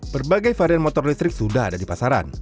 berbagai varian motor listrik sudah ada di pasaran